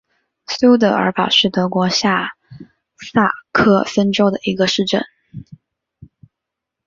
苏德尔堡是德国下萨克森州的一个市镇。